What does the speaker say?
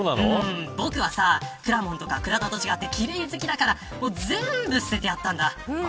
僕はくらもんとか、倉田と違って奇麗好きだから全部捨ててやったんだ。